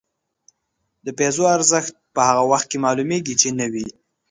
د پیسو ارزښت په هغه وخت کې معلومېږي چې نه وي.